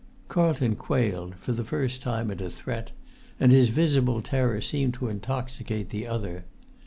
Carlton quailed, for the first time at a threat, and his visible terror seemed to intoxicate the other.